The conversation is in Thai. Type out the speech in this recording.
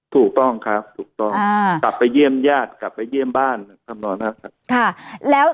ถูกต้องครับถูกต้องกลับไปเยี่ยมญาติกลับไปเยี่ยมบ้านทำนองนั้นครับ